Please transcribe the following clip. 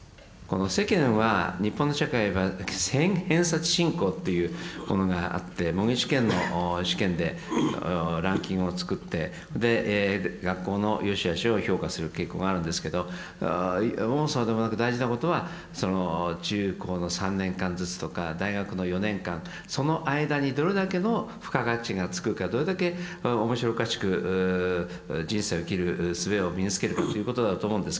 世間は日本の社会は偏差値信仰というものがあって模擬試験の試験でランキングを作って学校のよしあしを評価する傾向があるんですけど大事なことはその中高の３年間ずつとか大学の４年間その間にどれだけの付加価値がつくかどれだけ面白おかしく人生を生きるすべを身につけるかということだと思うんですけれども。